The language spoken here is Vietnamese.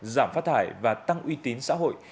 giảm phát thải và tăng uy tín xã hội